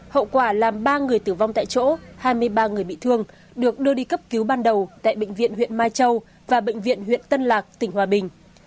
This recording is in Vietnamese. hậu quả làm ba người tử vong tại chỗ hai mươi ba người bị thương được đưa đi cấp cứu ban đầu tại bệnh viện huyện mai châu và bệnh viện huyện tân lạc tỉnh hòa bình